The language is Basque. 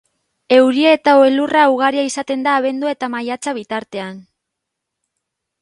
Euria eta elurra ugaria izaten da abendua eta maiatza bitartean.